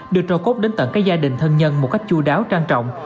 được trò cốt đến tận các gia đình thân nhân một cách chú đáo trang trọng